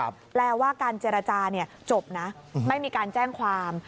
แปลว่าการเจรจาเนี่ยจบนะไม่มีการแจ้งความ